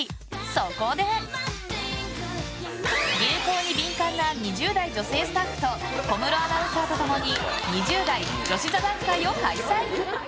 そこで、流行に敏感な２０代女性スタッフと小室アナウンサーと共に２０代女子座談会を開催。